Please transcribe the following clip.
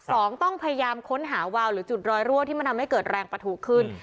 ต้องพยายามค้นหาวาวหรือจุดรอยรั่วที่มันทำให้เกิดแรงประทูขึ้น